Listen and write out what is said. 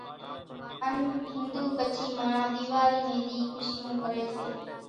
ان ھنڌو ڪڇي ماڻۿان ۮيواري ني ۮي خوشيون ڪري سي